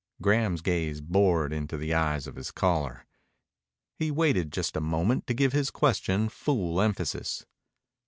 Graham's gaze bored into the eyes of his caller. He waited just a moment to give his question full emphasis.